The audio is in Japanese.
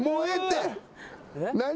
何？